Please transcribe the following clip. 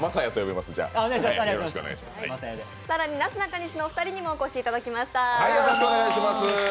さらになすなかにしのお二人にもお越しいただきました。